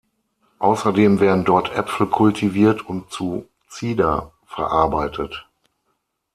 Außerdem werden dort Äpfel kultiviert und zu Cider verarbeitet.